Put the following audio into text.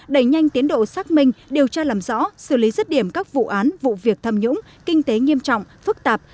đẩy nhanh tiến độ xác minh điều tra làm rõ xử lý rứt điểm các vụ án vụ việc tham nhũng kinh tế nghiêm trọng phức tạp